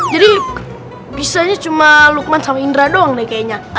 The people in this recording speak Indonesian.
jadi bisanya cuma lukman sama indra doang deh kayaknya